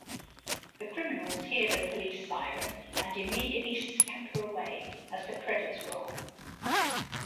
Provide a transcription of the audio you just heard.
The criminals hear the police siren and immediately scamper away as the credits roll.